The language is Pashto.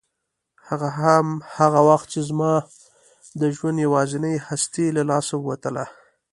هغه هم هغه وخت چې زما د ژوند یوازینۍ هستي له لاسه ووتله.